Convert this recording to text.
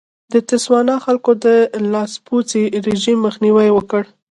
د تسوانا خلکو د لاسپوڅي رژیم مخنیوی وکړ.